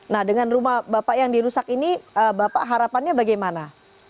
nah dengan rumah bapak yang dirusak ini bapak harapannya bagaimana